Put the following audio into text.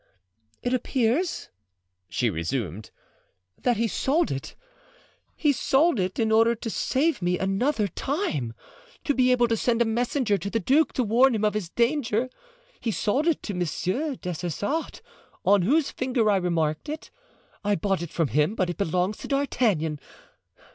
"It appears," she resumed, "that he sold it— he sold it in order to save me another time—to be able to send a messenger to the duke to warn him of his danger—he sold it to Monsieur des Essarts, on whose finger I remarked it. I bought it from him, but it belongs to D'Artagnan.